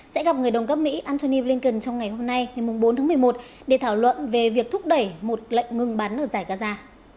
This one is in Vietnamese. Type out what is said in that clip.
sẽ gặp người đồng cấp mỹ antony blinken trong ngày hôm nay ngày bốn tháng một mươi một để thảo luận về việc thúc đẩy một lệnh ngừng bắn ở giải gaza